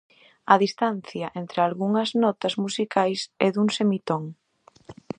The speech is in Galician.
A distancia entre algunhas notas musicais é dun semitón.